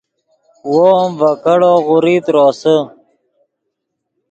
وو ام ڤے کیڑو غوریت روسے